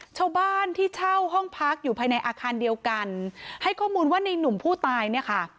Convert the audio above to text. ชาวบ้านที่เช่าห้องพักอยู่ภายในอาคารเดียวกันให้ข้อมูลว่าในหนุ่มผู้ตายเนี่ยค่ะ